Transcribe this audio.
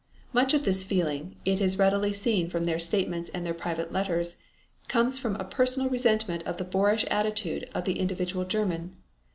Much of this feeling, it is readily seen from their statements and their private letters, comes from a personal resentment of the boorish attitude of the individual German.